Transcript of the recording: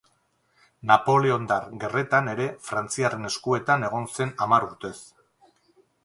Napoleondar Gerretan ere frantziarren eskuetan egon zen hamar urtez.